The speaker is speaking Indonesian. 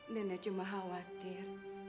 nenek cuma khawatir